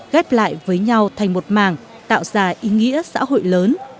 ghép lại với nhau thành một màng tạo ra ý nghĩa xã hội lớn